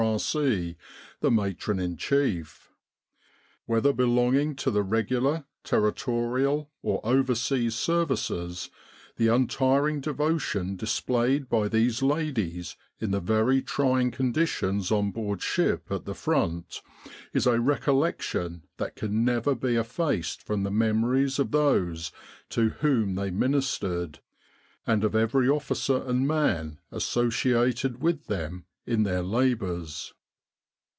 R.C., the Matron in Chief. Whether belonging to the Regular, Terri torial or Overseas Services, the untiring devotion dis played by these ladies in the very trying conditions on board ship at the Front is a recollection that can never be effaced from the memories of those to whom they ministered, and of every officer and man associated with them in their labours."